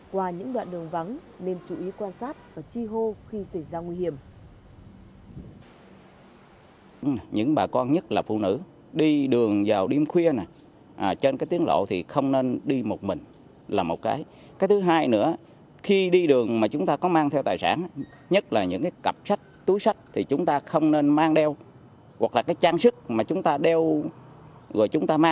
qua những đoạn đường vắng nên chú ý quan sát và chi hô khi xảy ra nguy hiểm